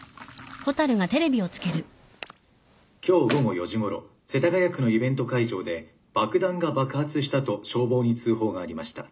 今日午後４時ごろ世田谷区のイベント会場で爆弾が爆発したと消防に通報がありました。